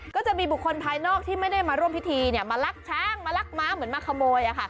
ก็จะมีบุคคลภายนอกที่ไม่ได้มาร่วมพิธีมาลักช้างมาลักม้าเหมือนมาขโมย